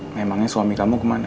memangnya suami kamu kemana